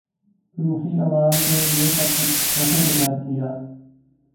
روسی عوام نے یہ سب کچھ کیسے برداشت کیا؟